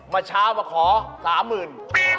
ประชามาขอ๓๐๐๐๐บาท